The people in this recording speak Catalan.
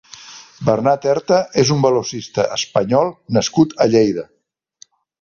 Bernat Erta és un velocista español nascut a Lleida.